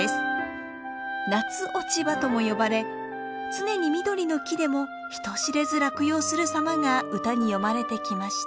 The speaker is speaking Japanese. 夏落葉とも呼ばれ常に緑の木でも人知れず落葉する様が歌に詠まれてきました。